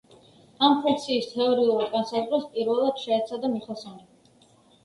ამ ფუნქციის თეორიულად განსაზღვრას პირველად შეეცადა მიხელსონი.